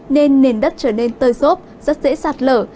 nên nền đất trở nên tơi xốp rất dễ sạt lở